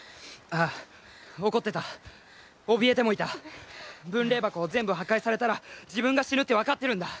ああ怒ってたおびえてもいた分霊箱を全部破壊されたら自分が死ぬって分かってるんだ